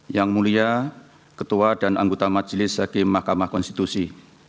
yang mulia ketua dan anggota majelis hakim mahkamah konstitusi